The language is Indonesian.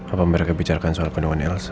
apa mereka bicarakan soal pendungan elsa